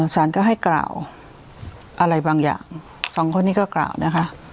สารก็ให้กล่าวอะไรบางอย่างสองคนนี้ก็กล่าวนะคะ